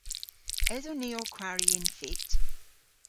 Eson ni ow kwari y'n fytt?